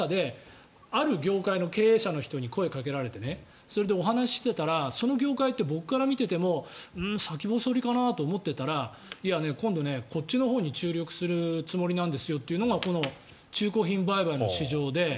僕、道でよく色々な人に声をかけられるんだけどその中である業界の経営者の人に声をかけられてそれでお話ししていたらその業界って僕から見ていても先細りかなと思っていたら今度、こっちのほうに注力するつもりなんですよっていうのがこの中古品売買の市場で。